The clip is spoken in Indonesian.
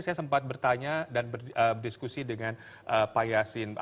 saya sempat bertanya dan berdiskusi dengan pak yasin